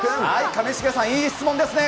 上重さん、いい質問ですね。